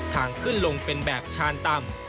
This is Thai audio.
ทางขึ้นลงเป็นแบบชานต่ำ